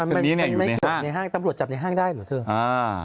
มันไม่เกิดในห้างตำรวจจับในห้างได้เหรอเธอ